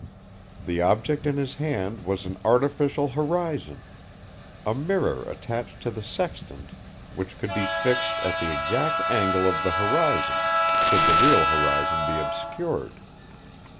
The object in his hand was an artificial horizon, a mirror attached to the sextant which could be fixed at the exact angle of the horizon should the real horizon be obscured.